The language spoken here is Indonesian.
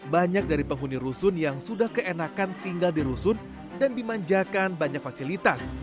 banyak dari penghuni rusun yang sudah keenakan tinggal di rusun dan dimanjakan banyak fasilitas